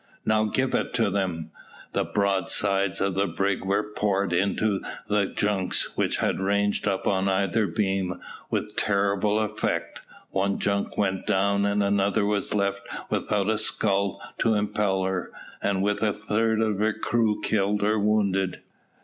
"Now give it them." The broadsides of the brig were poured into the junks, which had ranged up on either beam, with terrible effect. One junk went down, and another was left without a scull to impel her, and with a third of her crew killed or wounded.